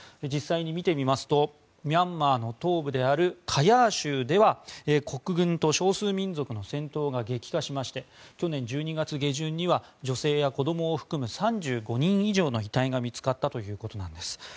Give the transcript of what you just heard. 実際に見てみますとミャンマーの東部にあるカヤー州では国軍と少数民族の戦闘が激化しまして去年１２月下旬には女性や子どもを含む３５人以上の遺体が見つかったということなんです。